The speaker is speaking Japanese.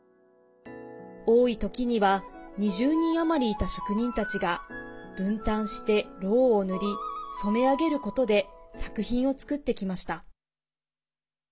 多いときには２０人余りいた職人たちが分担して、ろうを塗り染め上げることで作品を作ってきました。